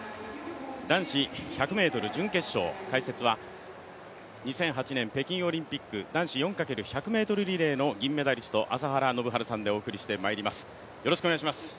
男子１００ｍ準決勝、解説は２００８年北京オリンピック男子４×１００ｍリレーの銀メダリスト朝原宣治さんでお送りしてまいります。